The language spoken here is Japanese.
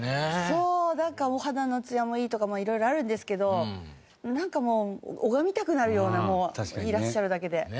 そうなんかお肌のツヤもいいとかもう色々あるんですけどなんかもう拝みたくなるようないらっしゃるだけで。